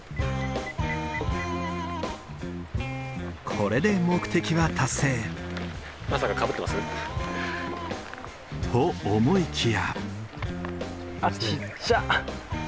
これで目的は達成。と思いきや。